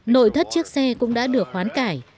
nội thất chiếc xe cũng đã được hoán cải